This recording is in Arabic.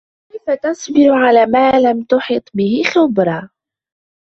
وَكَيْفَ تَصْبِرُ عَلَى مَا لَمْ تُحِطْ بِهِ خُبْرًا